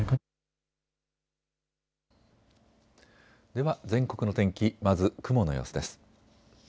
では全国の天気、まず雲の様子です。